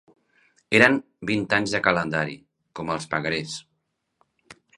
Eren vint anys de calendari, com els pagarés